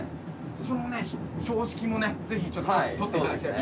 その標識もねぜひちょっと撮って頂きたいですよね。